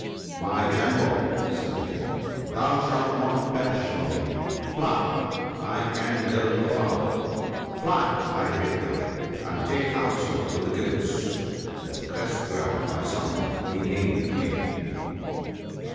" My General," said the King, " thou shalt not perish for me. Fly ! I can go no farther. Fly ! I bid thee, and take counsel with the Goose that Crest jewel, my son, be named King